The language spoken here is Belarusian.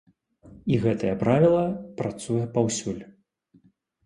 І гэта правіла працуе паўсюль.